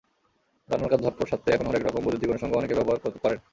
রান্নার কাজ ঝটপট সারতে এখন হরেক রকম বৈদ্যুতিক অনুষঙ্গ অনেকেই ব্যবহার করেন।